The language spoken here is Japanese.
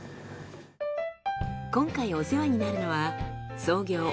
今回お世話になるのは創業